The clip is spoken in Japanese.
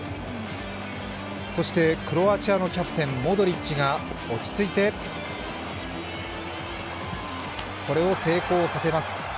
そして、クロアチアのキャプテンモドリッチが落ち着いて、これを成功させます。